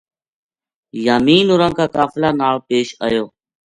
یامین ہوراں کا قافلہ نال پیش آیو